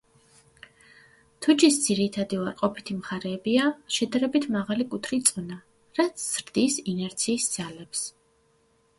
თუჯის ძირითადი უარყოფითი მხარეებია: შედარებით მაღალი კუთრი წონა, რაც ზრდის ინერციის ძალებს.